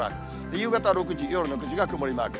夕方６時、夜の９時が曇りマーク。